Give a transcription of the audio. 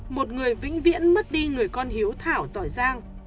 một người vĩnh viễn mất đi người con hiếu thảo giỏi giang